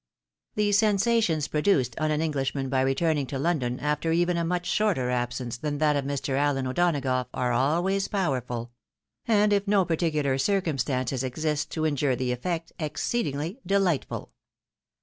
The sensations produced on an Englishman by returning to London after even a much shorter absence than that of Jlr. AUen O'Donagough, are always powerful ; and, if no particular circumstances exist to injure the effect, exceedingly dehghtful.